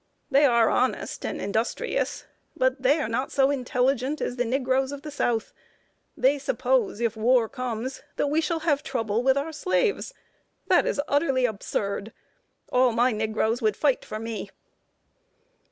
They are honest and industrious, but they are not so intelligent as the nig roes of the South. They suppose, if war comes, we shall have trouble with our slaves. That is utterly absurd. All my nig roes would fight for me."